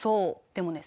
でもね